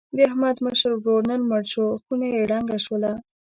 د احمد مشر ورور نن مړ شو. خونه یې ړنګه شوله.